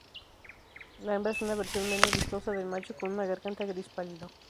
La hembra es una versión menos vistosa del macho con una garganta gris pálido.